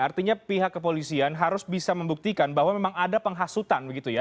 artinya pihak kepolisian harus bisa membuktikan bahwa memang ada penghasutan begitu ya